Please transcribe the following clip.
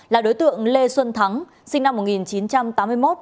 là đối tượng lê xuân thắng sinh năm một nghìn chín trăm tám mươi một